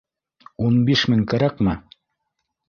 Ун биш мең кәрәкме?